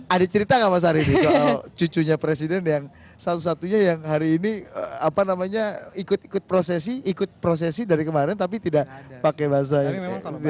ada cerita gak mas ari soal cucunya presiden yang satu satunya yang hari ini ikut ikut prosesi dari kemarin tapi tidak pakai baju